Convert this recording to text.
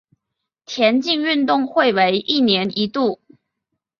田径运动会为一年一度。